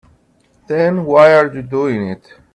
Then why are you doing it?